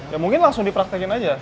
ya mungkin langsung dipraktekin aja